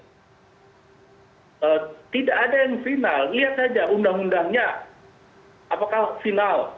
hai tetap tidak ada yang final lihat saja undang undangnya apakah final